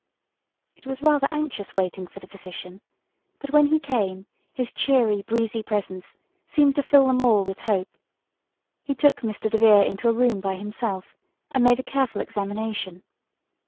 It was rather anxious waiting for the physician, but when he came his cheery, breezy presence seemed to fill them all with hope. He took Mr. DeVere into a room by himself, and made a careful examination.